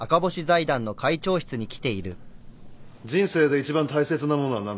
人生で一番大切なものは何だ？